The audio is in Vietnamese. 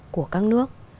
của các nước